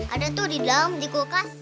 ada tuh di dalam di kulkas